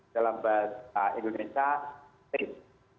dalam bahasa indonesia tis